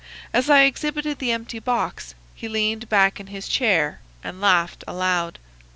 As I exhibited the empty box he leaned back in his chair and laughed aloud.